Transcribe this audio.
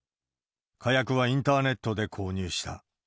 火薬はインターネットで購入した。